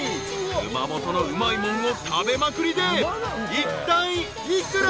［熊本のうまいもんを食べまくりでいったい幾ら？］